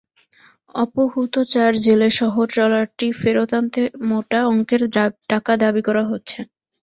অপহূত চার জেলেসহ ট্রলারটি ফেরত আনতে মোটা অঙ্কের টাকা দাবি করা হচ্ছে।